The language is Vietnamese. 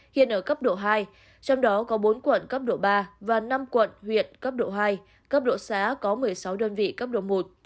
hiện ở cấp độ hai trong đó có bốn quận cấp độ ba và năm quận huyện cấp độ hai cấp độ xã có một mươi sáu đơn vị cấp độ một